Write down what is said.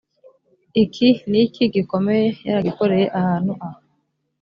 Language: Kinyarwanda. iki n iki gikomeye yaragikoreye ahantu aha